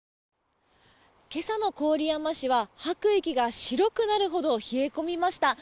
今朝の郡山市は吐く息が白くなるほど冷え込みました。